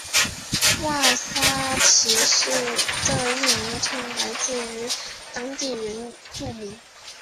瓦萨奇这一名称来自于当地原住民。